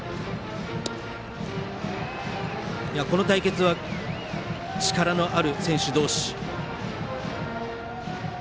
この対決、力のある選手同士。